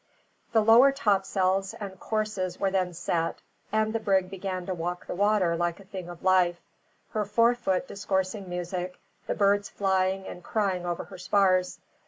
The lower topsails and courses were then set, and the brig began to walk the water like a thing of life, her forefoot discoursing music, the birds flying and crying over her spars.